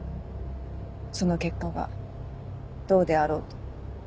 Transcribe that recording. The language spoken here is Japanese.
その結果がどうであろうと。